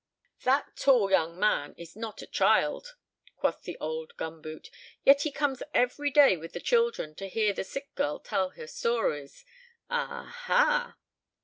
"That tall young man is not a child," quoth the old gum boot, "yet he comes every day with the children to hear the sick girl tell her stories! Ah, ha!"